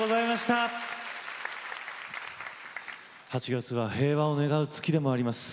８月は平和を願う月でもあります。